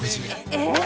えっ！